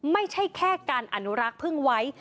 ไม่ใช่แค่การอนุรักษ์พึ่งไว้